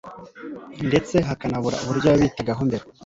ndetse bakanabura uburyo yabitagaho mbere,